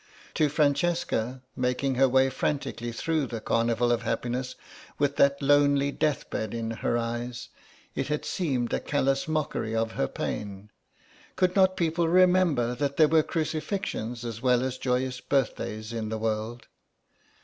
To Francesca, making her way frantically through the carnival of happiness with that lonely deathbed in her eyes, it had seemed a callous mockery of her pain; could not people remember that there were crucifixions as well as joyous birthdays in the world?